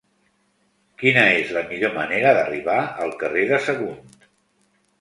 Quina és la millor manera d'arribar al carrer de Sagunt?